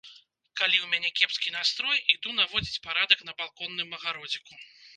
Калі ў мяне кепскі настрой, іду наводзіць парадак на балконным агародзіку.